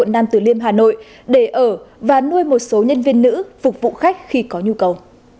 nam tử liêm hà nội để ở và nuôi một số nhân viên nữ phục vụ khách khi có nhu cầu